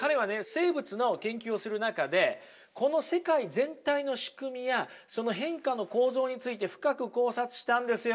生物の研究をする中でこの世界全体の仕組みやその変化の構造について深く考察したんですよ。